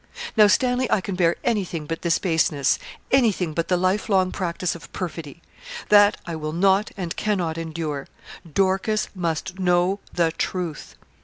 Now, Stanley, I can bear anything but this baseness anything but the life long practice of perfidy that, I will not and cannot endure. _Dorcas must know the truth.